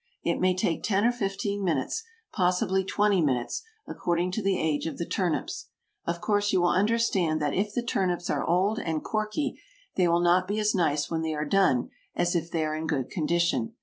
It may take ten or fifteen minutes, possibly twenty minutes, according to the age of the turnips. Of course you will understand that if the turnips are old and corky they will not be as nice when they are done as if they are in good condition.